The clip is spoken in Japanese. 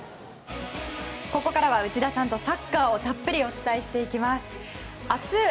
ここからは内田さんとサッカーをたっぷりお伝えしていきます。